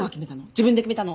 自分で決めたの？